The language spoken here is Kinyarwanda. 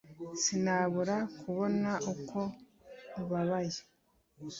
Sinabura kubona ko ubabaye